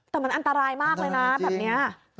แต่มันอันตรายมากเลยนะแบบนี้